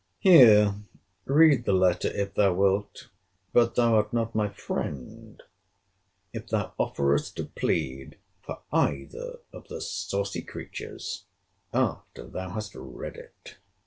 Here read the letter, if thou wilt. But thou art not my friend, if thou offerest to plead for either of the saucy creatures, after thou hast read it.